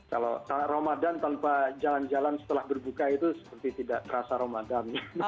kalau ramadan tanpa jalan jalan setelah berbuka itu seperti tidak terasa ramadan